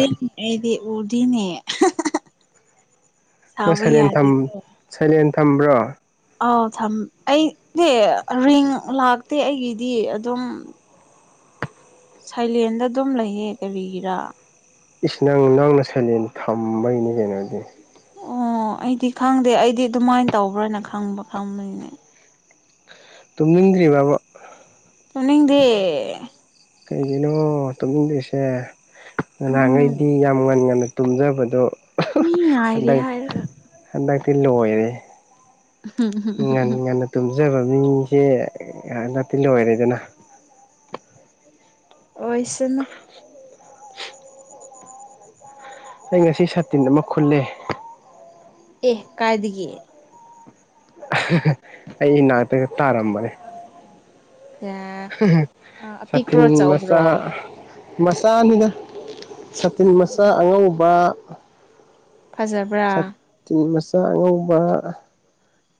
[unintelligible] ꯑꯩꯗꯤ ꯎꯗꯤꯅꯦ ꯅꯪ ꯁꯥꯕ ꯁꯥꯏꯂꯦꯟ ꯊꯝ ꯌꯥꯗꯦꯀꯣ ꯁꯥꯏꯂꯦꯟ ꯊꯝꯕ꯭ꯔꯣ ꯑꯧ ꯊꯝ ꯑꯩꯗꯤ ꯔꯤꯡ ꯂꯥꯛꯇꯦ ꯑꯩꯒꯤꯗꯤ ꯑꯗꯨꯝ ꯁꯥꯏꯂꯦꯟꯗ ꯑꯗꯨꯝ ꯂꯩꯌꯦ ꯀꯔꯤꯒꯤꯔꯥ ꯏꯁ ꯅꯪ ꯅꯪꯅ ꯁꯥꯏꯂꯦꯟ ꯊꯝꯕꯒꯤꯅꯤ ꯀꯩꯅꯣ ꯑꯗꯨꯗꯤ ꯑꯣ ꯑꯩꯗꯤ ꯈꯪꯗꯦ ꯑꯩꯗꯤ ꯑꯗꯨꯃꯥꯏꯅ ꯇꯧꯕ꯭ꯔꯅ ꯈꯪꯕ ꯈꯪꯕꯅꯤꯅꯦ ꯇꯨꯝꯅꯤꯡꯗ꯭ꯔꯤꯕ ꯕ ꯇꯨꯝꯅꯤꯡꯗꯦ ꯀꯩꯒꯤꯅꯣ ꯇꯧꯅꯤꯡꯗ꯭ꯔꯤꯁꯦ ꯅꯍꯥꯡꯈꯩꯗꯤ ꯅꯪ ꯌꯥꯝ ꯉꯟ ꯉꯟ ꯇꯨꯝꯖꯕꯗꯣ ꯃꯤ ꯉꯥꯏꯔꯤ ꯍꯟꯗꯛ ꯍꯥꯏꯔꯒ ꯍꯟꯗꯛꯇꯤ ꯂꯣꯏꯔꯦ ꯉꯟ ꯉꯟꯅ ꯇꯨꯝꯖꯕ ꯃꯤꯁꯦ ꯍꯟꯗꯛꯇꯤ ꯂꯣꯏꯔꯦꯗꯅ ꯑꯣꯏꯁꯅꯨ ꯑꯩ ꯉꯁꯤ ꯁꯥꯇꯤꯟ ꯑꯃ ꯈꯨꯜꯂꯦ ꯑꯦ ꯀꯥꯏꯗꯒꯤ [unintelligible] ꯑꯩ ꯏꯅꯥꯛꯇꯒ ꯇꯥꯔꯝꯕꯅꯦ ꯁꯥꯇꯤꯟ ꯑꯄꯤꯛꯄ꯭ꯔꯣ ꯃꯥꯆꯥ ꯆꯥꯎꯕ꯭ꯔꯣ ꯃꯆꯥꯅꯤꯗ ꯁꯥꯇꯤꯟ ꯃꯆꯥ ꯑꯉꯧꯕ ꯐꯖꯕ꯭ꯔꯥ ꯇꯤꯟ ꯃꯆꯥ ꯑꯉꯧꯕ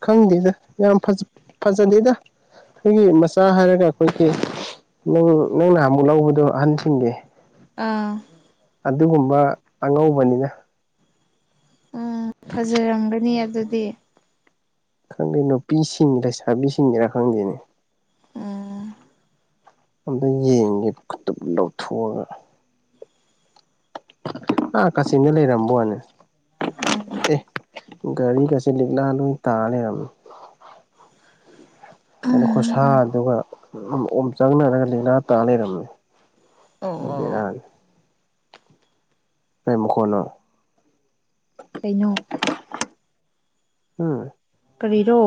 ꯈꯪꯗꯦꯗ ꯌꯥꯝ ꯐꯖꯗꯦꯗ ꯑꯩꯈꯣꯏꯒꯤ ꯃꯆꯥ ꯍꯥꯏꯔꯒ ꯑꯩꯈꯣꯏꯒꯤ ꯅꯪ ꯅꯪꯅ ꯅꯍꯥꯟꯑꯃꯨꯛ ꯂꯧꯕꯗꯣ ꯑꯍꯟꯁꯤꯡꯒꯤ ꯑꯥ ꯑꯗꯨꯒꯨꯝꯕ ꯑꯉꯧꯕꯅꯤꯗ ꯎꯝ ꯐꯖꯔꯝꯒꯅꯤ ꯑꯗꯨꯗꯤ ꯈꯪꯗꯦ ꯅꯨꯄꯤꯁꯤꯡ ꯂꯩꯁꯥꯕꯤꯁꯤꯡꯒꯤꯔꯥ ꯈꯪꯗꯦꯅꯦ ꯎꯝ ꯑꯗ ꯌꯦꯡꯒꯦ ꯈꯨꯇꯞ ꯂꯧꯊꯣꯛꯑꯒ ꯑꯥ ꯀꯥꯆꯤꯡꯗ ꯂꯩꯔꯝꯕ ꯋꯥꯅꯦ ꯎꯝ ꯑꯦ ꯒꯥꯔꯤꯒꯁꯦ ꯂꯤꯛꯂꯥ ꯂꯣꯏ ꯇꯥꯔ ꯂꯩꯔꯝꯃꯦ ꯀꯩꯅꯣ ꯈꯨꯠꯁꯥ ꯎꯝ ꯗꯨꯒ ꯑꯣꯝ ꯆꯥꯛꯔꯒ ꯂꯤꯛꯅꯥ ꯇꯥ ꯂꯩꯔꯝꯃꯤ ꯑꯣ ꯑꯣ ꯕꯦꯔꯥꯅꯤ ꯀꯔꯤ ꯃꯈꯣꯟꯅꯣ ꯀꯩꯅꯣ [unintelligible] ꯎꯝ ꯀꯔꯤꯔꯣ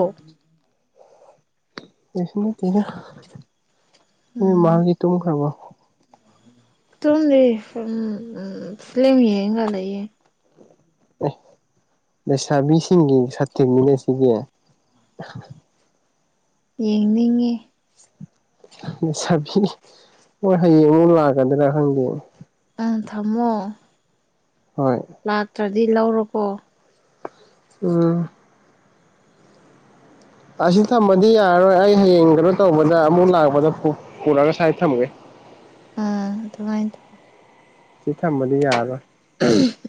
ꯀꯩꯁꯨ ꯅꯠꯇꯦꯗ ꯅꯣꯏ ꯎꯝ ꯃꯥꯗꯤ ꯇꯨꯝ ꯈ꯭ꯔꯕꯣ ꯇꯨꯝꯗꯤ ꯎꯝ ꯐꯤꯂꯝ ꯌꯦꯡꯉꯒ ꯂꯩꯌꯦ ꯑꯦ ꯂꯩꯁꯥꯕꯤꯁꯤꯡꯒꯤ ꯁꯥꯇꯤꯟꯗꯨꯅꯤ ꯁꯤꯗꯤ ꯌꯦꯡꯅꯤ [unintelligible] ꯃꯣꯏ ꯍꯌꯦꯡ ꯑꯃꯨꯛ ꯂꯥꯛꯀꯗ꯭ꯔꯥ ꯈꯪꯗꯦ ꯎꯝ ꯊꯝꯃꯣ ꯍꯣꯏ ꯂꯥꯛꯇ꯭ꯔꯗꯤ ꯂꯧꯔꯣꯀꯣ ꯎꯝ ꯑꯁꯤ ꯊꯝꯕꯗꯤ ꯌꯥꯔꯔꯣꯏ ꯑꯩ ꯍꯌꯦꯡ ꯀꯩꯅꯣ ꯇꯧꯕꯗ ꯑꯃꯨꯛ ꯂꯥꯛꯄꯗ ꯄꯨꯔꯒ ꯁ꯭ꯋꯥꯥꯏ ꯊꯝꯒꯦ ꯑꯝ ꯑꯗꯨꯃꯥꯏꯅ ꯇꯧ ꯁꯤ ꯊꯝꯕꯗꯤ ꯌꯥꯔꯥꯔꯣꯢ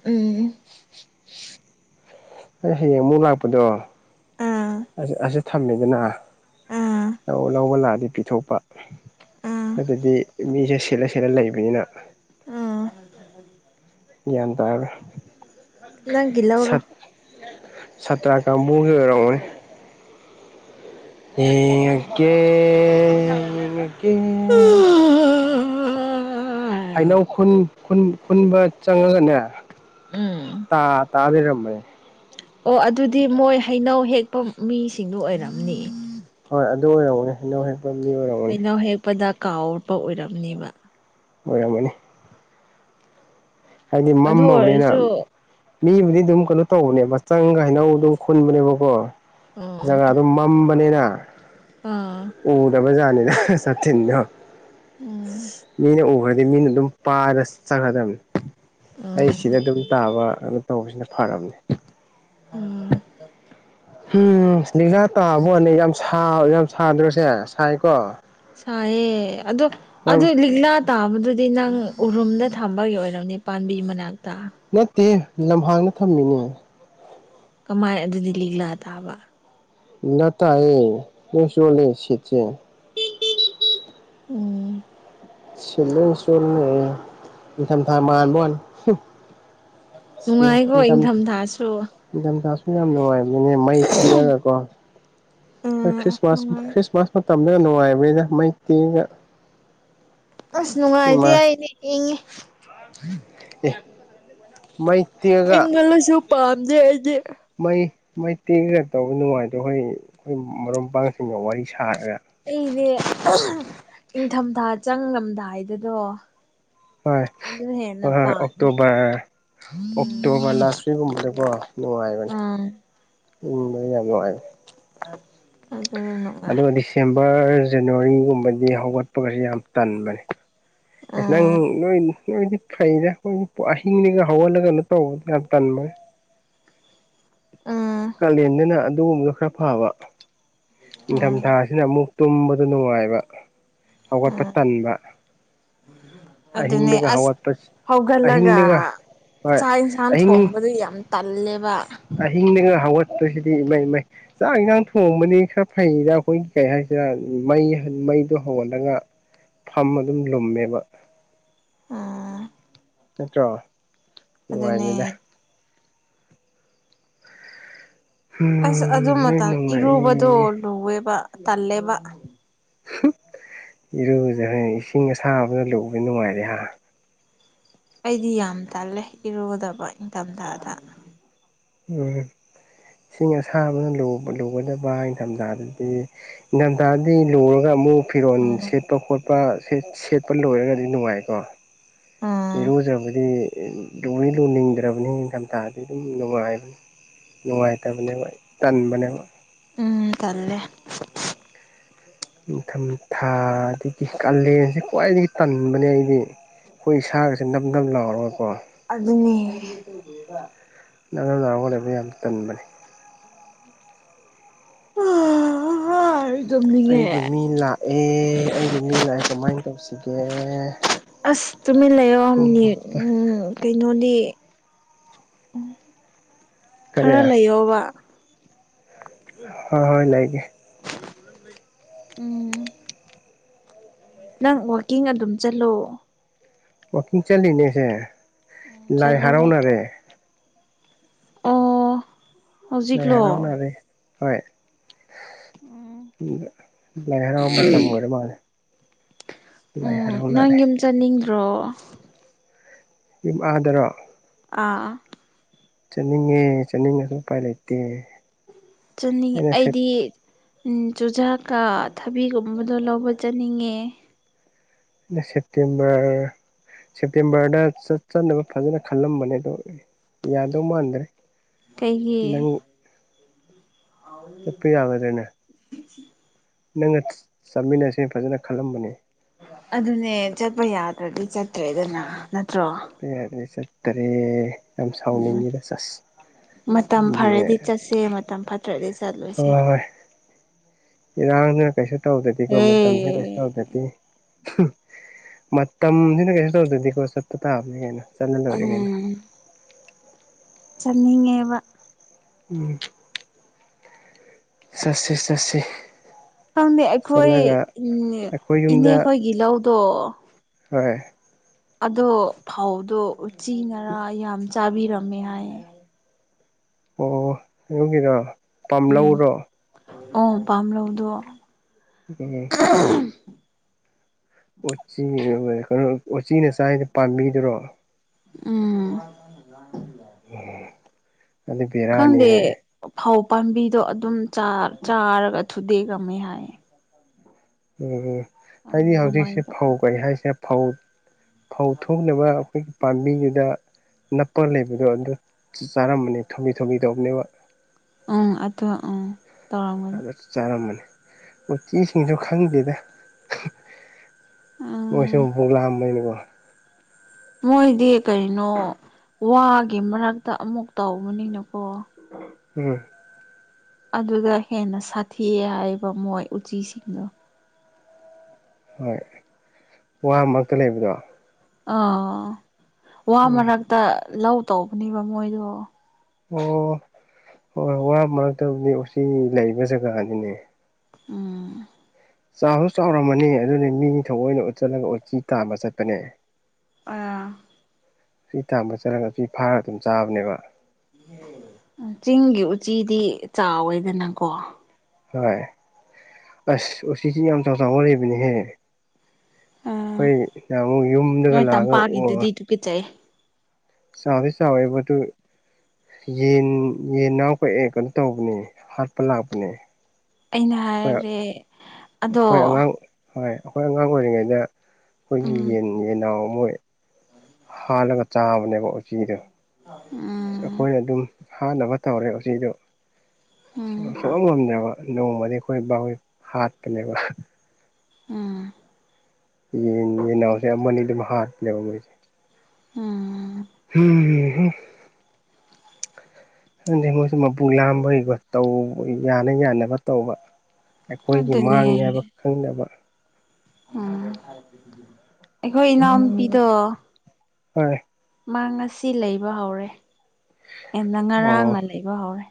ꯎꯝ ꯑꯩ ꯍꯌꯦꯡ ꯑꯃꯨꯛ ꯂꯥꯛꯄꯗꯣ ꯑꯥ ꯑꯁꯤꯁ ꯊꯝꯃꯦꯗꯅ ꯑꯥ ꯂꯧ ꯂꯧꯕ ꯂꯥꯛꯑꯗꯤ ꯄꯤꯊꯣꯛꯄ ꯑꯥ ꯑꯗꯨꯕꯗꯤ ꯃꯤꯁꯦ ꯁꯦꯠꯂ ꯁꯦꯠꯂ ꯂꯩꯕꯅꯤꯅ ꯑꯥ ꯒ꯭ꯌꯥꯟꯗ ꯅꯪꯒꯤ ꯂꯧꯔꯣ ꯁꯠ ꯁꯥꯇ꯭ꯔ ꯀꯥꯡꯕꯨꯒꯤ ꯑꯣꯏꯔꯝꯃꯅꯦ ꯌꯦ ꯀꯦ [inaudible] ꯍꯩꯅꯧ ꯈꯨꯟ ꯈꯨꯟꯕ ꯆꯪꯉꯒꯅꯦ ꯎꯝ ꯇꯥ ꯇꯥ ꯂꯩꯔꯝꯃꯦ ꯑꯣ ꯑꯗꯨꯗꯤ ꯃꯣꯏ ꯍꯩꯅꯧ ꯍꯦꯛꯄ ꯃꯤꯁꯤꯡꯗꯨ ꯑꯣꯏꯔꯝꯅꯤ ꯍꯣꯏ ꯑꯗꯨ ꯑꯣꯏꯔꯔꯕꯅꯦ ꯍꯥꯏꯗꯧ ꯍꯦ ꯀꯕꯔꯝ [inaudible] ꯀꯩꯅꯧ ꯍꯦꯛꯄꯗ ꯀꯥꯎꯔꯄ ꯑꯣꯏꯔꯝꯅꯦꯕ ꯑꯣꯏꯔꯝꯒꯅꯤ ꯍꯥꯏꯗꯤ ꯑꯗꯨ ꯃꯝꯃꯕꯅꯤꯅ ꯑꯣꯏꯔꯁꯨ ꯃꯤꯕꯨꯗꯤ ꯑꯗꯨꯝ ꯀꯩꯅꯣ ꯇꯧꯕꯅꯦꯕ ꯆꯪꯒ ꯍꯩꯅꯧ ꯑꯗꯨꯝ ꯈꯨꯟꯕꯅꯦꯕꯀꯣ ꯑꯣ ꯖꯒꯥ ꯑꯗꯨ ꯃꯝꯕꯅꯤꯅ ꯑꯥ ꯎꯗꯕ ꯗ ꯁꯥ ꯊ ꯎꯝ ꯃꯤꯅ [inaudible] ꯑꯗꯩ ꯃꯤꯅ ꯑꯗꯨꯝ ꯄꯥꯏꯔ ꯆꯠꯒꯗꯝꯕꯅꯤ ꯑꯩ ꯎꯝ ꯁꯤꯗ ꯑꯗꯨꯝ ꯇꯥꯕ ꯑꯗꯨꯩꯅꯣ ꯇꯧꯕꯁꯤꯅ ꯐꯔꯕꯅꯤ ꯑꯣ ꯎꯝ ꯦꯒꯥꯥ ꯇꯥꯕꯣꯅꯦ ꯌꯥꯝ ꯌꯥꯝ ꯁꯥꯗ꯭ꯔꯣꯁꯦ ꯁꯥꯏꯀꯣ ꯁꯑꯌꯦ ꯑꯗꯨꯗ ꯌꯥꯝ ꯑꯗꯨ ꯂꯤꯅꯥꯠ ꯇꯥꯕꯗꯨꯗꯤ ꯅꯪ ꯎꯔꯨꯝꯗ ꯊꯝꯕꯒꯤ ꯑꯣꯏꯔꯕꯅꯦ ꯄꯥꯝꯕꯤ ꯃꯅꯥꯛꯇ ꯅꯠꯇꯦ ꯂꯝꯍꯥꯡꯅ ꯊꯝꯃꯤꯅꯦ ꯀꯃꯥꯏ ꯑꯗꯨꯗꯤ ꯂꯤꯛꯂꯥ ꯇꯥꯕ ꯅ ꯇꯥꯏꯌꯦ ꯂꯣꯢ ꯆꯣꯠꯂꯦ ꯁꯤꯁꯦ ꯎꯝ ꯁꯤꯜꯂ ꯁꯣꯟ ꯏꯟꯊꯝ ꯊꯥ ꯃꯥꯟꯕꯩ ꯋꯥꯅꯤ ꯅꯨꯡꯉꯥꯏꯈꯣ ꯏꯪꯊꯝꯊꯥꯁꯨ ꯀꯥꯁꯃꯤꯔ ꯌꯥꯝꯝ ꯂꯅꯨꯡ ꯅꯦ ꯃꯩ ꯇꯤꯔꯒꯀꯣ ꯎꯝ ꯈ꯭ꯔꯤꯁꯃꯥꯁ ꯅꯨꯡꯉꯥꯏ ꯈ꯭ꯔꯤꯁꯃꯥꯁ ꯃꯇꯝꯗꯨꯅ ꯅꯨꯡꯉꯥꯏꯕꯅꯤꯗ ꯃꯩꯛꯇꯤꯒ ꯑꯁ ꯅꯨꯡꯉꯥꯏꯇꯦ ꯏꯃꯥ ꯑꯩꯅꯦ ꯏꯡꯉꯦ ꯑꯦ ꯃꯩ ꯇꯤꯛꯑꯒ ꯑꯩꯉꯜꯂꯁꯨ ꯄꯥꯝꯖꯩ ꯑꯩꯗꯤ ꯃꯩ ꯃꯩ ꯇꯦꯛꯉꯒ ꯇꯧꯕ ꯅꯨꯡꯉꯥꯏꯗꯣ ꯑꯩꯈꯣꯏ ꯑꯩꯈꯣꯏ ꯃꯔꯨꯞ ꯃꯄꯥꯡꯁꯤꯡꯒ ꯋꯥꯔꯤ ꯁꯥꯔꯒ ꯑꯩꯅꯦ ꯏꯪꯊꯝꯊꯥ ꯆꯪꯉꯝꯗꯥꯏꯗꯗꯣ ꯍꯣꯏ ꯍꯣꯏ ꯍꯣꯏ ꯄꯥꯝꯃꯦ ꯑꯣꯛꯇꯣꯕꯔ ꯎꯝ ꯑꯣꯛꯇꯣꯕꯔ ꯂꯥꯁ ꯋꯤꯒꯨꯝꯕꯗꯀꯣ ꯅꯨꯡꯉꯥꯏꯕꯅꯦ ꯎꯝ ꯎꯝꯗꯤ ꯌꯥꯝ ꯅꯨꯡꯉꯥꯏꯦ ꯑꯗꯨꯅ ꯅꯨꯡꯉꯥꯏ ꯑꯗꯨꯒ ꯗꯤꯁꯦꯝꯕꯔ ꯖꯅꯋꯥꯔꯤꯒꯨꯝꯕꯗꯤ ꯍꯧꯒꯠꯄꯒꯁꯨ ꯌꯥꯝ ꯇꯟꯕꯅꯦ ꯑꯩꯁ ꯎꯝ ꯅꯪꯣꯏ ꯅꯣꯏꯗꯤ ꯐꯩꯔꯦ ꯅꯣꯏꯗꯤ ꯑꯍꯤꯡꯅꯤꯒ ꯍꯧꯍꯜꯂꯒꯅ ꯇꯧꯕ ꯌꯥꯝ ꯇꯟꯕꯣꯏ ꯎꯝ ꯀꯥꯂꯦꯟꯗꯅ ꯑꯗꯨꯒꯨꯝꯕꯗꯣ ꯈꯔ ꯐꯕ ꯎꯝ ꯅꯤꯡꯊꯝꯊꯥ ꯑꯁꯤꯅ ꯑꯃꯨꯛ ꯇꯨꯝꯕꯗ ꯅꯨꯡꯉꯥꯏꯕ ꯍꯧꯒꯠꯄ ꯇꯟꯕ ꯑꯗꯨ ꯑꯗꯨꯅꯦ ꯑꯍꯤꯡꯗꯒ ꯑꯁ ꯍꯧꯒꯠꯄ ꯍꯧꯒꯜꯂꯒ ꯑꯍꯤꯡꯗꯒ ꯍꯣꯏ ꯆꯥꯛ ꯌꯦꯟꯁꯥꯡ ꯑꯍꯤꯡ ꯊꯣꯡꯕꯗꯨ ꯌꯥꯝ ꯇꯜꯂꯦꯕ ꯑꯍꯤꯡꯗꯒ ꯍꯧꯒꯠꯄꯁꯤꯗꯤ ꯏꯃꯩ ꯏꯃꯩ ꯆꯥꯛ ꯌꯦꯟꯖꯥꯡ ꯊꯣꯡꯕꯅꯤ ꯈꯔ ꯐꯩꯗ ꯑꯩꯈꯣꯏ ꯀꯩ ꯍꯥꯏꯁꯤꯅ ꯃꯩ ꯃꯩꯗꯣ ꯍꯧꯒꯠꯂꯒ ꯐꯝ ꯑꯗꯨꯝ ꯂꯨꯝꯃꯦꯕ ꯑꯥ ꯅꯠꯇ꯭ꯔꯣ ꯅꯨꯡꯉꯥꯏꯕꯅꯤꯗ ꯑꯗꯨꯅꯦ ꯑꯁ ꯑꯗꯨ ꯅꯣꯏ ꯃꯇꯝ ꯏꯔꯨꯕꯗꯣ ꯅꯨꯡꯉꯥꯏꯌꯦ ꯂꯨꯑꯦꯕ ꯇꯜꯂꯦꯕ ꯏꯔꯨꯖ ꯍꯥꯏ ꯏꯁꯤꯡ ꯑꯁꯥꯕꯅ ꯂꯨꯕ ꯅꯨꯡꯉꯥꯏꯕꯅ‌‌ꯦ ꯍꯥ ꯑꯩꯗꯤ ꯌꯥꯝ ꯇꯜꯂꯦ ꯏꯔꯨꯗꯕ ꯏꯪꯊꯝꯊꯥꯗ ꯎꯝ ꯏꯁꯤꯡ ꯑꯁꯥꯕꯅ ꯂꯨ ꯂꯨꯒꯗꯕ ꯅꯤꯡꯊꯝꯊꯥꯗꯗꯤ ꯅꯤꯡꯊꯝꯊꯥꯗꯤ ꯂꯨꯔꯒ ꯑꯃꯨꯛ ꯐꯤꯔꯣꯜ ꯎꯝ ꯁꯦꯠꯄ ꯈꯣꯠꯄ ꯁ‌ ꯁꯦꯠꯄ ꯂꯣꯏꯔꯒꯗꯤ ꯅꯨꯡꯉꯥꯏꯀꯣ ꯎꯝ ꯏꯔꯨꯖꯕꯗꯤ ꯏ ꯂꯨꯗꯤ ꯂꯨꯅꯤꯡꯗ꯭ꯔꯕꯅꯤ ꯅꯤꯡꯊꯝꯊꯥꯗꯤ ꯑꯗꯨꯝ ꯅꯨꯡꯉꯥꯏꯕꯅꯤ ꯅꯨꯡꯉꯥꯏꯇꯕꯅꯦꯕ ꯇꯟꯕꯅꯦꯕ ꯎꯝ ꯇꯜꯂꯦ ꯅꯤꯡꯊꯝ ꯊꯥꯗꯒꯤ ꯀꯥꯂꯦꯟꯁ‌ꯦ ꯈ꯭ꯋꯥꯏꯗꯒꯤ ꯇꯟꯕꯅꯦ ꯑꯩꯗꯤ ꯑꯩꯈꯣꯏ ꯏꯁꯥꯒꯁꯦ ꯅꯝ ꯅꯝ ꯂꯥꯎꯔꯒꯀꯣ ꯑꯗꯨꯅꯦ ꯅꯥ [unintelligible] ꯒ ꯂꯩꯕ ꯌꯥꯝ ꯇꯟꯕꯅꯤ ꯇꯨꯝꯅꯤꯡꯉꯦ ꯑꯩꯒꯤ ꯃꯤ ꯂꯥꯛꯑꯦ ꯑꯩꯒꯤ ꯃꯤ ꯂꯥꯛꯑꯦ ꯀꯃꯥꯏꯅ ꯇꯧꯁꯤꯒꯦ ꯑꯁ ꯇꯨꯃꯤꯟ ꯂꯩꯌꯣ ꯄꯨꯡ ꯃꯤꯅꯤꯠ ꯃꯥꯄꯜ ꯎꯝ ꯀꯩꯅꯣꯗꯤ ꯀꯔꯤ ꯈꯔ ꯂꯩꯌꯣꯕ ꯍ ꯍꯣꯏ ꯂꯩꯒꯦ ꯎꯝ ꯅꯪ ꯋꯥꯥꯛꯀꯤꯡ ꯑꯗꯨꯝ ꯆꯠꯂꯣ ꯋꯥꯛꯀꯤꯡ ꯆꯠꯂꯤꯅꯦ ꯑꯁꯦ ꯎꯝ ꯂꯥꯏ ꯆꯠꯂꯣꯕ ꯍꯔꯥꯎꯅꯔꯦ ꯑꯣ ꯂꯩꯥꯏ ꯍꯧꯖꯤꯛꯂꯣ ꯍꯔꯥꯎꯅꯔ‌ꯦ ꯍꯣꯏ ꯎꯝ ꯂꯥꯏ ꯍꯔꯥꯎ ꯃꯇꯝ ꯑꯣꯏꯔ ꯃꯥꯜꯂꯦ ꯂꯥꯏ ꯎꯝ ꯅꯪ ꯍꯔꯥꯎꯅꯔꯦ ꯌꯨꯝ ꯆꯠꯅꯤꯡꯗ꯭ꯔꯣ ꯌꯨꯝ ꯑꯥꯗꯔꯣ ꯑꯥ ꯆꯠꯅꯤꯡꯉꯦ ꯆꯠꯅꯤꯡꯉꯁꯨ ꯎꯄꯥꯏ ꯂꯩꯇꯦ ꯆꯅꯤꯡꯉꯤ ꯑꯩꯅ ꯑꯩꯗꯤ ꯎꯝ ꯆꯨꯖꯥꯛꯀ ꯊꯕꯤꯒꯨꯝꯕꯗꯣ ꯂꯧꯕ ꯆꯠꯅꯤꯡꯉꯦ ꯁꯦꯞꯇꯦꯝꯕꯔ ꯁꯦꯞꯇꯦꯝꯕꯔꯗ ꯆꯠ ꯆꯠꯅꯕ ꯐꯖꯅ ꯈꯜꯂꯝꯕꯅꯦ ꯑꯗꯣ ꯌꯥꯗꯧ ꯃꯥꯟꯗ꯭ꯔꯦ ꯀꯩꯒꯤ ꯅꯪ ꯆꯠꯄ ꯌꯥꯔ‌ꯣꯏꯗꯅꯦ ꯅꯪꯅ ꯆꯠ ꯆꯠꯃꯤꯟꯅꯁ‌ꯦ ꯐꯖꯅ ꯈꯜꯂꯝꯕꯅꯦ ꯑꯗꯨꯅꯦ ꯆꯠꯄ ꯌꯥꯗ꯭ꯔꯗꯤ ꯆꯠꯇ꯭ꯔꯦꯗꯅ ꯅꯠꯇ꯭ꯔꯣ ꯑꯩ ꯑꯗ ꯆꯠꯇꯔꯦ ꯌꯥꯝ ꯎꯝ ꯁꯥꯎꯅꯤꯡꯉꯤꯔꯥ ꯆꯥꯁ ꯃꯇꯝ ꯐꯔꯗꯤ [unintelligible] ꯆꯠꯁꯦ ꯃꯇꯝ ꯐꯠꯇ꯭ꯔꯗꯤ ꯆꯠꯂ‌ꯣꯏꯁꯦ ꯏꯔꯥꯡꯅ ꯀꯩꯁꯨ ꯇꯧꯗꯗꯤꯀꯣ ꯃꯇꯝꯁꯤꯅ ꯀꯩꯁꯨ ꯑꯦ ꯇꯧꯗ ꯗꯤ ꯃꯇꯝꯁꯤꯅ ꯀꯩꯁꯨ ꯇꯧꯗꯗꯤꯀꯣ ꯆꯠꯄ ꯇꯥꯕꯅꯤ ꯀꯩꯅ ꯆꯠꯂ ꯂ‌ꯣꯏꯔ‌ꯦ ꯀꯩꯅ‌ꯣ ꯎꯝ ꯆꯠꯅꯤꯡꯉꯦꯕ ꯎꯝ ꯆꯠꯁ‌ꯦ ꯆꯠꯁ‌ꯦ ꯈꯪꯗꯦ ꯑꯩꯈꯣꯏ ꯎꯝ ꯑꯩꯈꯣꯏ ꯏꯅꯦ ꯌꯨꯝꯗ ꯈꯣꯏꯒꯤ ꯂꯧꯗꯣ ꯍꯣꯏ ꯑꯗꯣ ꯐꯧꯗꯣ ꯎꯁꯤꯤꯅꯔ ꯌꯥꯝ ꯆꯥꯕꯤꯔꯝꯃꯦ ꯍꯥꯏ ꯑꯣ ꯑꯗꯨꯒꯤꯔ ꯄꯥꯝ ꯎꯝ ꯂꯧꯔꯣ ꯑꯣ ꯄꯥꯝ ꯂꯧꯧꯗꯣ ꯎꯝ ꯎꯆꯤ ꯀꯩꯅꯣ ꯎꯆꯤꯅ ꯆꯥꯏꯁ ꯄꯥꯝꯕꯤꯗꯨꯔꯣ ꯎꯝ ꯎꯝ ꯈꯪꯗꯦ ꯐꯧ ꯄꯥꯝꯕꯤꯗꯣ ꯑꯗꯨꯝ ꯆꯥꯔꯒ ꯊꯨꯗꯦ ꯀꯝꯃꯦ ꯍꯥꯏꯌꯦ ꯎꯝ ꯎ ꯈꯪꯗꯦ ꯍꯥꯏꯗꯤ ꯀꯃꯥꯏꯅ ꯍꯧꯖꯤꯛꯁꯤꯦ ꯐꯧ ꯇꯧꯕꯅꯣ ꯀꯩ ꯍꯥꯏꯁꯦ ꯐꯧ ꯐꯧ ꯊꯣꯛꯅꯕ ꯑꯩꯈꯣꯏꯒꯤ ꯄꯥꯝꯕꯤꯗꯨꯗ ꯅꯞꯄꯒ ꯂꯩꯕꯗꯣ ꯑꯗꯨ ꯆꯥꯔꯝꯕꯅꯤ ꯊꯣꯕꯤ ꯊꯣꯝꯕꯤ ꯇꯧꯕꯅꯦꯕ ꯑꯝ ꯑꯗ ꯑꯥ ꯑꯗꯨꯗ ꯆꯥꯔꯝꯕꯅꯤ ꯎꯇꯤꯁꯤꯡꯁꯨ ꯈꯪꯗꯦꯗ ꯎꯝ ꯃꯣꯏꯁꯨꯐꯣꯛ ꯂꯥꯛꯑꯝꯃꯅꯦꯀꯣ ꯃꯣꯏꯗꯤ ꯀꯩꯅꯣ ꯋꯥꯒꯤ ꯃꯔꯛꯇ ꯑꯃꯨꯛ ꯇꯧꯕꯅꯤꯅꯀꯣ ꯎꯝ ꯑꯗꯨꯗ ꯍꯦꯟꯅ ꯁꯥꯊꯤ ꯍꯥꯏꯕ ꯃꯣꯏ ꯎꯆꯤꯁꯤꯡꯗꯣ ꯍꯣꯏ ꯋꯥ ꯃꯔꯛꯇ ꯂꯩꯕꯗꯣ ꯑꯥ ꯋꯥ ꯎꯝ ꯃꯔꯛꯇ ꯂꯧ ꯇꯧꯕꯅꯦꯕ ꯃꯣꯏꯗꯣ ꯑꯣ ꯍꯣꯏ ꯋꯥ ꯃꯔꯛꯇꯕꯗꯤ ꯎꯆ ꯂꯩꯕ ꯖꯒꯥꯅꯤꯅꯦ ꯎꯝ ꯆꯥꯛꯁꯨ ꯆꯥꯎꯔꯝꯃꯅꯤ ꯑꯗꯨꯅꯦ ꯃꯤ ꯊꯑꯣꯏꯅ ꯎꯠꯆꯜꯂꯒ ꯎꯆꯤ ꯇꯥꯕ ꯆꯠꯄꯅꯦ ꯑ ꯆ ꯊꯥꯝꯕ ꯆꯠꯂꯒ ꯁꯤ ꯐꯥꯔꯒ ꯑꯗꯨꯝ ꯆꯥꯕꯅꯦꯕ ꯆꯤꯡꯒꯤ ꯎꯆꯤꯗꯤ ꯆꯥꯎꯋꯦꯗꯅꯀꯣ ꯍꯣꯏ ꯑꯁ ꯎꯁꯤꯁꯤ ꯌꯥꯝ ꯆꯥꯎ ꯆꯥꯎꯅ ꯂꯩꯕꯅꯦꯍꯦ ꯑꯩꯈꯣꯏ ꯇꯥꯃꯨ ꯌꯨꯝꯗꯒ ꯂꯥꯛꯑꯒ ꯄꯤꯆꯩ ꯆꯕꯤ ꯁꯥꯎꯕꯗꯨ ꯌꯦꯟ ꯌꯦꯟ ꯉꯅꯥꯎ ꯀꯛꯑꯦ ꯀꯩꯅꯣ ꯇꯧꯕꯅꯦ ꯍꯥꯠꯄ ꯂꯥꯛꯄꯅꯦ ꯑꯩꯅ ꯑꯩꯈꯣꯏ ꯍꯥꯏꯔꯔꯦ ꯑꯗꯣ ꯑꯩꯈꯣꯏ ꯑꯉꯥꯡ ꯍꯣꯏ ꯑꯩꯈꯣꯏ ꯑꯉꯥꯡ ꯑꯣꯏꯔꯤꯉꯩꯗ ꯑꯩꯈꯣꯏꯒꯤ ꯎꯝ ꯌꯦꯟ ꯌꯦꯟꯅꯥꯎ ꯃꯣꯏ ꯄꯥꯜꯂꯒ ꯆꯥꯕꯅꯦꯕ ꯎꯆꯤꯗꯣ ꯎꯝ ꯑ ꯑꯩꯈꯣꯏꯅ ꯑꯗꯨꯝ ꯍꯥꯟꯅꯕ ꯇꯧꯔꯦ ꯎꯆꯤꯗꯣ ꯎꯝ ꯁꯣꯛꯑꯝ ꯉꯝꯗꯕ ꯅꯣꯡꯃꯗꯤ ꯑꯩꯈꯣꯏ ꯕꯥꯣꯏ ꯍꯥꯠꯄꯅꯦꯕ ꯎꯝ ꯌꯦꯟ ꯌꯦꯟꯅꯥꯎꯁꯦ ꯑꯃꯅꯤ ꯑꯅꯤ ꯑꯗꯨꯝ ꯍꯥꯔꯅꯦꯦꯕ ꯃꯣꯏꯁꯦ ꯎꯝ ꯎꯝ ꯈꯪꯗꯗꯤ ꯃꯣꯏꯁꯨ ꯃꯄꯨ ꯂꯥꯝꯕꯩꯀꯣ ꯇꯧꯕ ꯌꯥꯅ ꯌꯥꯅꯕ ꯇꯧꯕ ꯑꯩꯈꯣꯏꯒꯤ ꯑꯗꯨꯅꯦ ꯃꯥꯡꯅꯤ ꯍꯥꯏꯕ ꯈꯪꯅꯕ ꯎꯝ ꯑꯩꯈꯣꯏ ꯏꯅꯥꯎꯄꯤꯗꯣ ꯍꯣꯏ ꯃꯥ ꯉꯁꯤ ꯂꯩꯕ ꯍꯧꯔꯦ ꯌꯥꯝꯟꯅ ꯑꯣ ꯉꯔꯥꯡꯅ ꯂꯩꯕ ꯍꯧꯔꯦ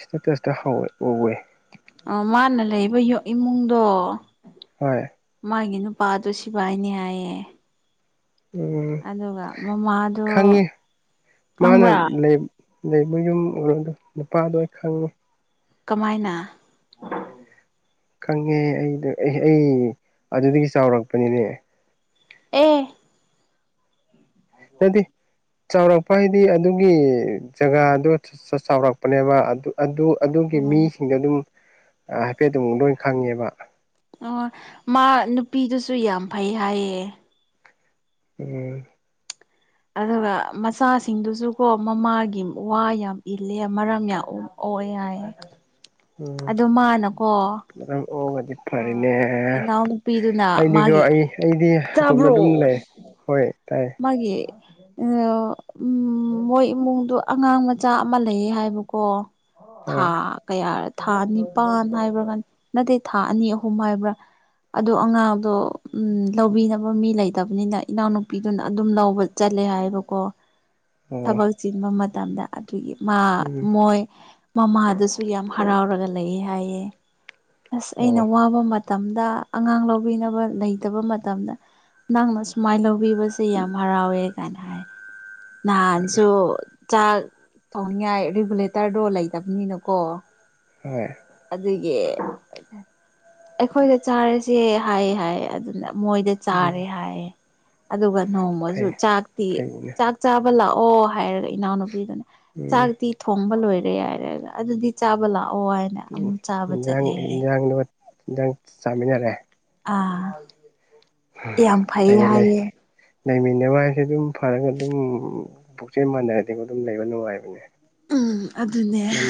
ꯁꯤꯇꯇꯁꯇ ꯍꯋꯦ ꯎꯋꯦ ꯑ ꯃꯥꯅ ꯂꯩꯕ ꯏꯃꯨꯡꯗꯣ ꯍꯣꯏ ꯃꯥꯒꯤ ꯅꯨꯄꯥꯗꯣ ꯁꯤꯕꯥꯏꯅꯦ ꯍꯥꯏꯌꯦ ꯎꯝ ꯑꯗꯨꯒ ꯃꯃꯥꯗꯣ ꯈꯪꯉꯤ ꯃꯥꯅ ꯈꯪꯕ꯭ꯔꯥ ꯂꯩ ꯑꯗꯩꯕ ꯌꯨꯝ ꯑꯣꯏꯔꯗꯣ ꯅꯨꯄꯥꯗꯣ ꯑꯩ ꯈꯪꯉꯤ [unintelligible] ꯀꯃꯥꯏꯅ ꯈꯪꯉꯦ ꯑꯩ ꯑꯩ ꯑꯩ ꯑꯗꯨꯗꯒꯤ ꯆꯥꯎꯔꯛꯄꯅꯤꯅꯦ ꯑꯦ ꯍꯥꯏꯗꯤ ꯆꯥꯎꯔꯛꯄ ꯍꯥꯏꯗꯤ ꯑꯗꯨꯒꯤ ꯖꯒꯥꯗꯣ ꯆꯥꯎꯔꯛꯄꯅꯦꯕ ꯑꯗꯨ ꯑꯗꯨ ꯑꯗꯨꯒꯤ ꯎꯝ ꯃꯤꯁꯤꯡꯗꯣ ꯑꯗꯨꯝ ꯍꯥꯏꯐꯦꯠꯇꯝ ꯂꯣꯏ ꯈꯪꯉꯦꯕ ꯑꯣ ꯃꯥ ꯅꯨꯄꯤꯗꯨꯁꯨ ꯌꯥꯝ ꯐꯩ ꯍꯥꯏꯌꯦ ꯎꯝ ꯑꯗꯨꯒ ꯃꯆꯥꯁꯤꯡꯗꯨꯁꯨꯀꯣ ꯃꯃꯥꯒꯤ ꯋꯥ ꯌꯥꯝ ꯏꯜꯂꯦ ꯃꯔꯝ ꯌꯥꯝ ꯑꯣ ꯌꯥꯏ ꯑꯗꯨ ꯃꯥꯅꯀꯣ ꯃ ꯑꯣꯖꯤ [unintelligible] ꯑꯥ ꯐꯔꯅꯦ ꯏꯅꯥꯎꯅꯨꯄꯤꯗꯨꯅ ꯑꯩꯗꯤꯀꯣ ꯃꯥꯒꯤ ꯑꯩ ꯑꯩꯗꯤ ꯑꯁꯣꯝꯅ ꯇꯥꯕ꯭ꯔꯣ ꯑꯗꯨꯝ ꯂꯩ ꯍꯣꯏ ꯇꯥꯏꯌꯦ ꯃꯥꯒꯤ ꯎꯝ ꯃꯣꯏ ꯏꯃꯨꯡꯗꯣ ꯑꯉꯥꯡ ꯃꯆꯥ ꯑꯃ ꯂꯩꯌꯦ ꯍꯥꯏꯕꯀꯣ ꯊꯥ ꯍꯣꯏ ꯀꯌꯥ ꯊꯥ ꯑꯅꯤꯄꯥꯟ ꯍꯥꯏꯕ꯭ꯔꯥ ꯀ ꯅꯠꯇꯦ ꯊꯥ ꯑꯅꯤ ꯑꯍꯨꯝ ꯍꯥꯏꯕ꯭ꯔꯥ ꯑꯗꯣ ꯑꯉꯥꯡꯗꯣ ꯎ ꯂꯧꯕꯤꯅꯕ ꯃꯤ ꯂꯩꯇꯕꯅꯤꯅ ꯏꯅꯥꯎꯅꯨ ꯅꯨꯄꯤꯗꯨꯅ ꯑꯗꯨꯝ ꯂꯧꯕ ꯆꯠꯂꯦ ꯍꯥꯏꯕꯀꯣ ꯑꯣ ꯊꯕꯛ ꯆꯤꯟꯕ ꯃꯇꯝꯗ ꯑꯗꯨꯒꯤ ꯃꯥ ꯎꯝ ꯃꯣꯏ ꯃꯃꯥꯗꯨꯁꯨ ꯌꯥꯝ ꯍꯔꯥꯎꯔꯒ ꯂꯩꯑ ꯍꯥꯏꯌꯦ ꯑꯁ ꯑꯣ ꯑꯩꯅ ꯋꯥꯕ ꯃꯇꯝꯗ ꯑꯉꯥꯡ ꯂꯧꯕꯤꯅꯕ ꯂꯩꯇꯕ ꯃꯇꯝꯗ ꯅꯪꯅ ꯁꯨꯃꯥꯏꯅ ꯂꯧꯕ ꯇꯕꯤꯕꯁꯦ ꯌꯥꯝ ꯍꯔꯥꯎꯋꯦ ꯀꯥꯏꯅ ꯍꯥꯏ ꯅꯍꯥꯟꯁꯨ ꯆꯥꯛ ꯊꯣꯡꯅꯤꯡꯉꯥꯏ ꯔꯤꯒꯨꯂꯦꯇꯔꯗꯣ ꯂꯩꯇꯕꯅꯤꯅꯀꯣ ꯍ [unintelligible] ꯑꯗꯨꯒꯤ ꯑꯩꯈꯣꯏꯗ ꯆꯥꯔꯁꯦ ꯍꯥꯏꯌꯦ ꯍꯥꯏ ꯑꯗꯨꯅ ꯃꯣꯏꯗ ꯎꯝ ꯆꯥꯔꯦ ꯍꯥꯏꯌꯦ ꯑꯗꯨꯒ ꯅꯣꯡꯃꯁꯨ ꯐꯩ ꯆꯥꯛꯇꯤ ꯐꯩꯅꯦ ꯆꯥꯛ ꯆꯥꯕ ꯂꯥꯛꯑꯣ ꯍꯥꯏꯔꯒ ꯏꯅꯥꯎꯅꯨꯄꯤꯗꯨꯅꯦ ꯎꯝ ꯆꯥꯛꯇꯤ ꯊꯣꯡꯕ ꯂꯣꯏꯔꯦ ꯌꯥꯏꯔꯦꯒ ꯑꯗꯨꯗꯤ ꯆꯥꯕ ꯂꯥꯛꯑꯣ ꯍꯥꯏꯅ ꯎ ꯑꯃꯨꯛ ꯆꯥꯕ ꯏꯟꯖꯥꯡ ꯆꯠꯂꯦ ꯍꯥꯏ ꯏꯟꯖꯥꯡꯗꯨ ꯏꯟꯖꯥꯡ ꯆꯥꯃꯤꯟꯅꯔꯦ ꯑꯥ ꯌꯥꯝ ꯐꯩꯌꯦ ꯐꯩꯅ ꯂꯩ ꯍꯥꯏꯌꯦ ꯂꯩꯃꯤꯟꯅꯕ ꯍꯥꯏꯁꯦ ꯑꯗꯨꯝ ꯐꯔꯒ ꯑꯗꯨꯝ ꯄꯨꯛꯆꯦꯟ ꯃꯥꯟꯅꯔꯗꯤꯀ ꯑꯗꯨꯝ ꯂꯩꯕ ꯅꯨꯡꯉꯥꯏꯕꯅꯦ ꯎꯝ ꯑꯗꯨꯅꯦ ꯅꯪ